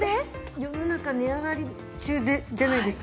世の中値上がり中じゃないですか。